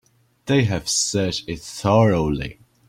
They have searched it thoroughly.